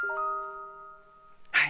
はい。